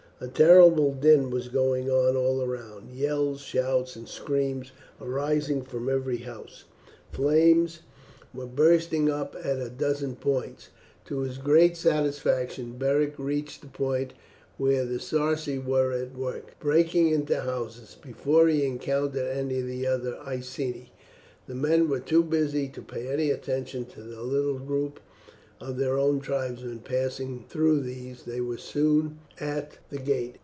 A terrible din was going on all round; yells, shouts, and screams arising from every house. Flames were bursting up at a dozen points. To his great satisfaction Beric reached the point where the Sarci were at work, breaking into the houses, before he encountered any of the other Iceni. The men were too busy to pay any attention to the little group of their own tribesmen; passing through these they were soon at the gate.